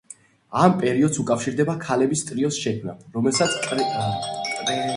ამ პერიოდს უკავშირდება ქალების ტრიოს შექმნა, რომელსაც კრეოლეტები ეწოდა.